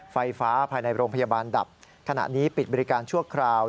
ไฟฟ้าภายในโรงพยาบาลดับขณะนี้ปิดบริการชั่วคราว